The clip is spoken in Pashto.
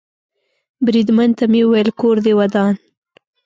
بریدمن ته مې وویل: کور دې ودان.